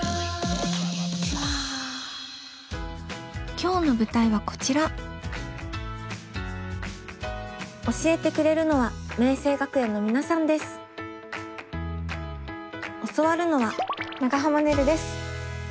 今日の舞台はこちら教えてくれるのは教わるのは長濱ねるです。